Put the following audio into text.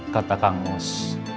kata kang mus